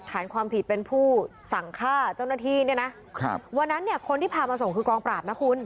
ฐานความผิดเป็นผู้สั่งฆ่าเจ้าหน้าที่เนี่ยนะครับวันนั้นเนี่ยคนที่พามาส่งคือกองปราบนะคุณ